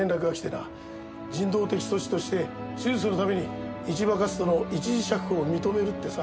人道的措置として手術のために一場克斗の一時釈放を認めるってさ。